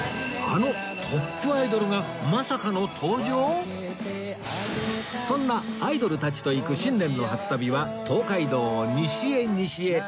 あのそんなアイドルたちと行く新年の初旅は東海道を西へ西へ